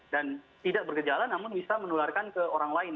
dan tidak bergejala namun bisa menularkan ke orang lain